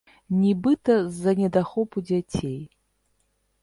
Нібыта, з-за недахопу дзяцей.